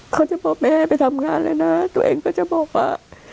เขาจะบอกแม่ไปทำงานแล้วนะตัวเองก็จะบอกว่า